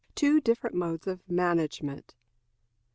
Two Different Modes of Management.